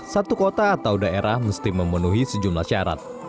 satu kota atau daerah mesti memenuhi sejumlah syarat